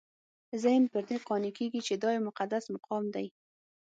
ذهن پر دې قانع کېږي چې دا یو مقدس مقام دی.